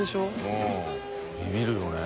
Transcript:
うんびびるよね。